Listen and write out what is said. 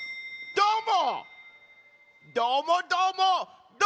どーも！